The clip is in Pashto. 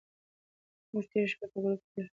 موږ تېره شپه په ګروپ کې ډېرې خبرې وکړې.